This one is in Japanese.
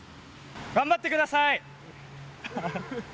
頑張ってください。